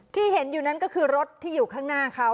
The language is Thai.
ที่เห็นอยู่นั้นก็คือรถที่อยู่ข้างหน้าเขา